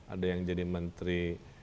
ada yang jadi menteri